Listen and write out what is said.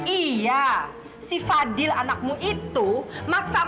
iya si fadil dan edo itu bertengkar lagi